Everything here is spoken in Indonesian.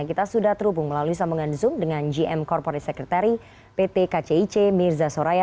kita sudah terhubung melalui sambungan zoom dengan gm corporate secretary pt kcic mirza soraya